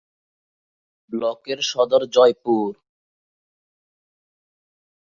ব্লকের সদর জয়পুর।